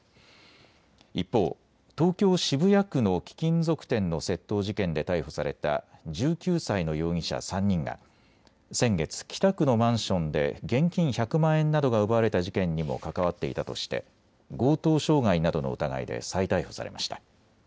一方、東京渋谷区の貴金属店の窃盗事件で逮捕された１９歳の容疑者３人が先月、北区のマンションで現金１００万円などが奪われた事件にも関わっていたとして強盗傷害などの疑いで再逮捕されました。